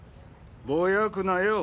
ぼやくなよ。